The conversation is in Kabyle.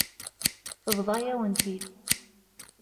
Tebḍa-yawen-t-id.